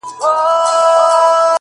o زه چي سهار له خوبه پاڅېږمه،